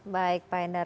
baik pak endar